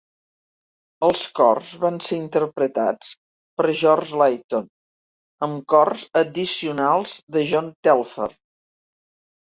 Els cors van ser interpretats per George Layton, amb cors addicionals de John Telfer.